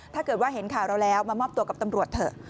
ถ้าเกิดว่าเห็นข่าวเราแล้วมามอบตัวกับตำรวจเถอะ